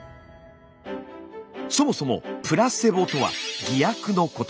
そもそも「プラセボ」とは偽薬のこと。